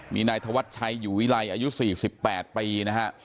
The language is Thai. มีนายทวัฒน์ชัยอยู่วิไรอายุสี่สิบแปดปีนะฮะ